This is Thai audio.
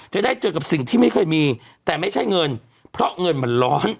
จะได้เจอกับสิ่งที่ไม่เคยมีแต่ไม่ใช่เงินเพราะเงินมันร้อน